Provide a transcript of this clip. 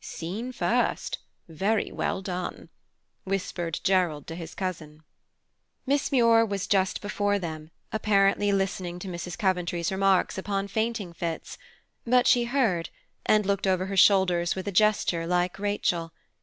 "Scene first, very well done," whispered Gerald to his cousin. Miss Muir was just before them, apparently listening to Mrs. Coventry's remarks upon fainting fits; but she heard, and looked over her shoulders with a gesture like Rachel.